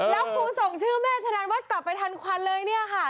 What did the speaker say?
แล้วครูส่งชื่อแม่ชนะวัดกลับไปทันควันเลยเนี่ยค่ะ